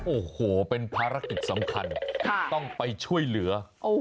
โอ้โหเป็นภารกิจสำคัญต้องไปช่วยเหลือ